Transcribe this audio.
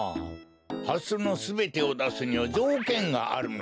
ハスのすべてをだすにはじょうけんがあるのじゃ。